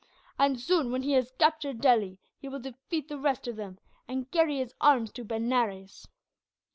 And soon, when he has captured Delhi, he will defeat the rest of them, and carry his arms to Benares."